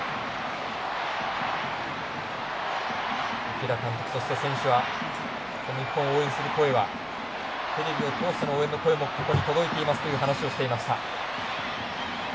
池田監督、そして選手は日本を応援する声はテレビを通してもここに届いていますという話をしていました。